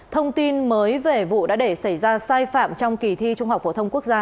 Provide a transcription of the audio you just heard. thông tin mới về vụ đã để xảy ra sai phạm trong kỳ thi trung học phổ thông quốc gia